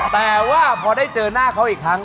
แต่ว่าพอได้เจอหน้าเขาอีกครั้ง